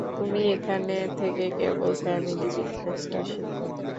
তুমি এখানে থেকে কেবল ফ্যামিলি বিজনেসটা শিখো।